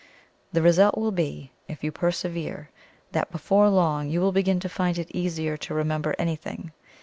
The result will be, if you persevere, that before long you will begin to find it easier to remember anything.